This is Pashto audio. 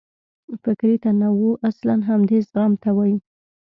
فکري تنوع اصلاً همدې زغم ته وایي.